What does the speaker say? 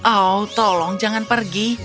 oh tolong jangan pergi